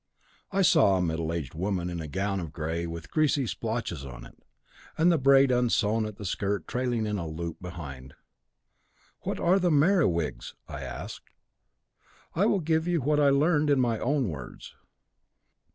I saw a middle aged woman in a gown of grey, with greasy splotches on it, and the braid unsewn at the skirt trailing in a loop behind. 'What are the Merewigs?' I asked. I will give you what I learned in my own words.